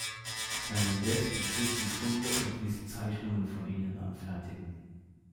Hernández beschrieb die Funde und ließ Zeichnungen von ihnen anfertigen.